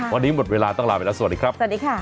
วันนี้หมดเวลาต้องลาไปแล้วสวัสดีครับ